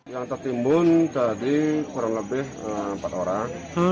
yang tertimbun tadi kurang lebih empat orang